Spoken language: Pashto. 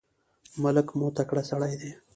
ملک مو تکړه سړی دی.